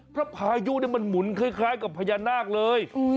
เพราะพายุนี่มันหมุนคล้ายกับพญานาคเลย